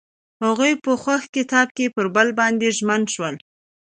هغوی په خوښ کتاب کې پر بل باندې ژمن شول.